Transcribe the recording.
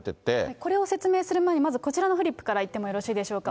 これを説明する前、まずこちらのフリップからいってもよろしいでしょうか。